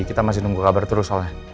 kita masih nunggu kabar terus soalnya